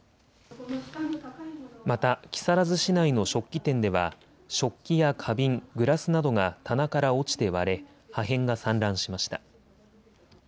また、木更津市内の食器店では、食器や花瓶、グラスなどが棚から落ちて割れ、破片が散乱しました。